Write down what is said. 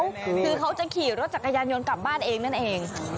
คือเขาจะขี่รถจักรยานยนต์กลับบ้านเองนั่นเอง